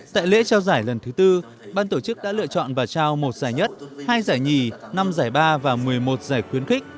tại lễ trao giải lần thứ tư ban tổ chức đã lựa chọn và trao một giải nhất hai giải nhì năm giải ba và một mươi một giải khuyến khích